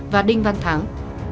và đinh văn thắng